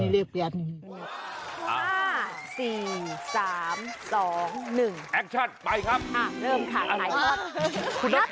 เริ่มค่ะถ่ายพอด